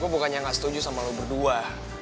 gua bukannya nggak setuju sama lu berdua